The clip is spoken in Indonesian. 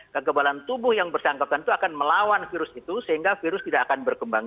kekebalan tubuh yang bersangkutan itu akan melawan virus itu sehingga virus tidak akan berkembang